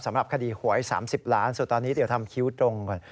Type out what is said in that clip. สำหรับคดีหวย๓๐ล้านสุดตอนนี้เดี๋ยวทำคิ้วตรงก่อน